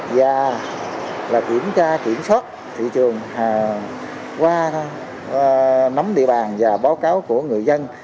và kiểm tra kiểm soát thị trường qua nắm địa bàn và báo cáo của người dân